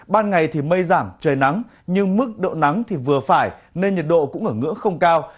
ban ngày thì mây giảm trời nắng nhưng mức độ nắng thì vừa phải nên nhiệt độ cũng ở ngưỡng không cao